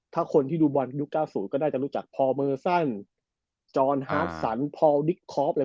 ถ้าคนที่ดูบอลยุค๙๐ก็ได้รู้จักพอร์เมอร์ซันจอร์นฮาร์ฟสันพอร์ลดิกคอร์ฟ